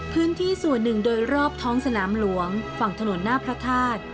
พื้นที่ส่วนหนึ่งโดยรอบท้องสนามหลวงฝั่งถนนหน้าพระธาตุ